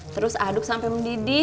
terus aduk sampai mendidih